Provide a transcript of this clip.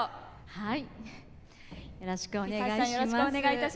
はい。